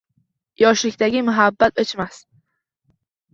Yoshlikdagi muhabbat o’chmas